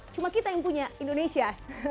cuma kita yang punya indonesia